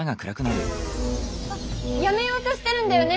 あっやめようとしてるんだよね？